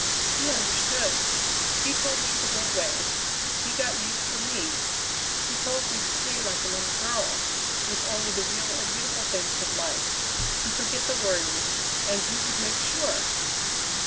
He understood. He told me to go away; he got you for me. He told me to play like a little girl, with only the real and beautiful things of life; to forget the worries, and he would make sure!